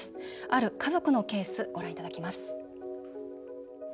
ある家族のケースご覧いただきます。